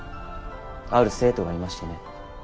ある生徒がいましてね。